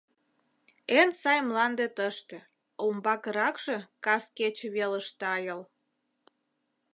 Эн сай мланде тыште, а умбакыракше кас кече велыш тайыл.